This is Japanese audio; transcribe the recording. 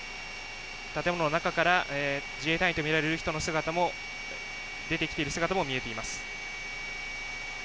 建物の中から自衛隊員と見られる人の姿も出てきている姿も見えています。